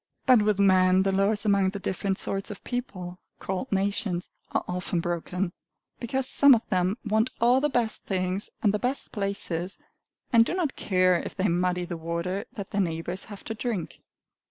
But with men the laws among the different sorts of people, called nations, are often broken, because some of them want all the best things and the best places, and do not care if they muddy the water that their neighbors have to drink.